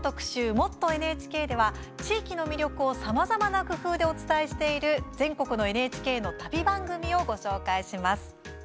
「もっとＮＨＫ」では地域の魅力をさまざまな工夫でお伝えしている全国のＮＨＫの旅番組をご紹介します。